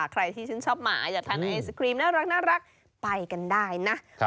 ใครที่ชื่นชอบหมาอยากทานไอศครีมน่ารักไปกันได้นะ